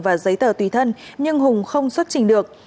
và giấy tờ tùy thân nhưng hùng không xuất trình được